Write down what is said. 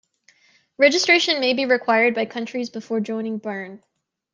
Registration may be required by countries before joining Berne.